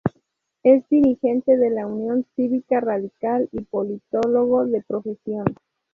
Es dirigente de la Unión Cívica Radical y Politólogo de profesión.